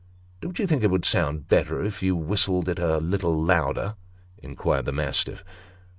" Don't you think it would sound better, if you whistled it a little louder ?" inquired the mastiff.